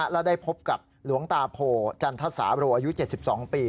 และได้พบกับหลวงตาโพจันทสาโรอายุ๗๒ปี